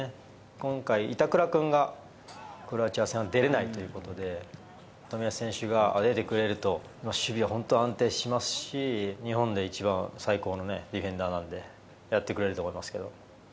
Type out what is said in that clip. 今回、板倉君がクロアチア戦、出れないということで、冨安選手が出てくれると、守備は本当安定しますし、日本で一番最高のね、ディフェンダーなんで、やってくれると思いますけど。